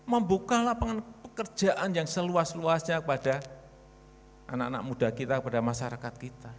membuka lapangan pekerjaan yang seluas luasnya kepada anak anak muda kita kepada masyarakat kita